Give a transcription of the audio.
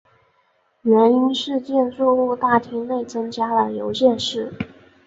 原因是建筑物大厅内增加了邮件室。